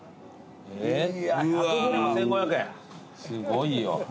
すごいよ。